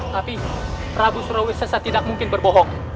tapi prabu surawisesa tidak mungkin berbohong